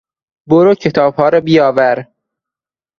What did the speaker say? برو کتابها رابیاور!